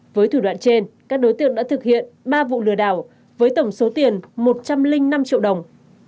với thủ đoạn trên các đối tượng đã thực hiện ba vụ lừa đảo với tổng số tiền một trăm linh năm triệu đồng